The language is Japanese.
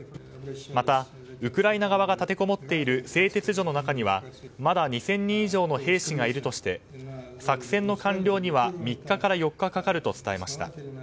また、ウクライナ側が立てこもっている製鉄所の中にはまだ２０００人以上の兵士がいるとして作戦の完了には３日から４日かかると伝えました。